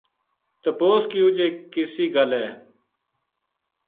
تپوس کیو جے کِسی گل ہے